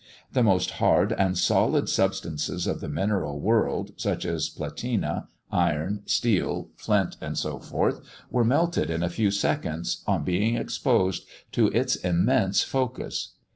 The most hard and solid substances of the mineral world, such as platina, iron, steel, flint, &c., were melted in a few seconds, on being exposed to its immense focus.